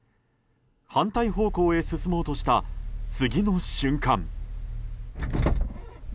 反対方向へ進もうとした次の瞬間。